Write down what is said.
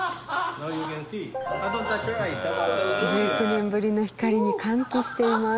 １９年ぶりの光に歓喜しています。